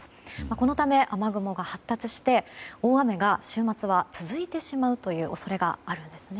このため雨雲が発達して大雨が週末は続いてしまう恐れがあるんです。